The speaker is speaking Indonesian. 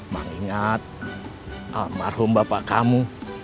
bang ingat alam marhum bapak kamu